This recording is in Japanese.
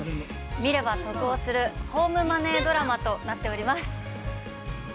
見れば得をするホームマネードラマとなっております。